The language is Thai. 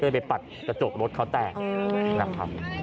ก็เลยไปปัดกระจกรถเขาแตก